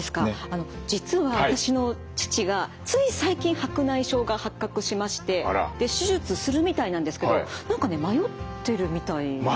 あの実は私の父がつい最近白内障が発覚しましてで手術するみたいなんですけど何かね迷ってるみたいなんですよ。